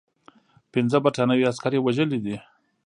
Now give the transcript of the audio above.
پنځه برټانوي عسکر یې وژلي دي.